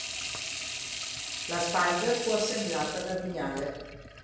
La spyder fu assemblata da Vignale.